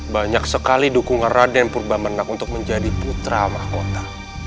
banyak sekali dukungan raden purbamenak untuk menjadi putra mahkota